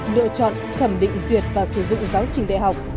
lựa chọn thẩm định duyệt và sử dụng giáo trình đại học